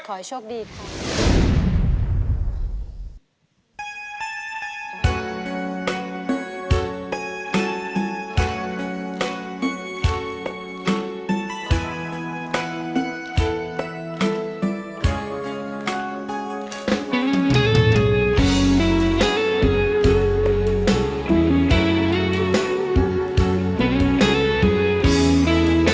ขอให้โชครับ